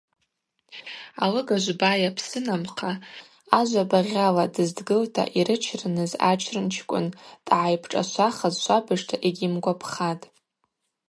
Алыгажв байа-псынамхъа ажва багъьала дыздгылта йрычрыныз ачрын чкӏвын дъагӏайпшӏашвахыз швабыжта йгьйыгвампхатӏ.